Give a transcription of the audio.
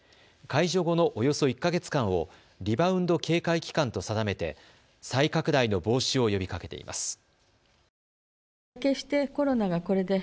解除後のおよそ１か月間をリバウンド警戒期間と定めて再拡大の防止を呼びかけています。